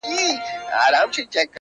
• غلامي مي دا یوه شېبه رخصت کړه,